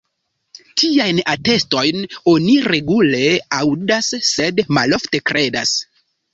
Tiajn atestojn oni regule aŭdas sed malofte kredas.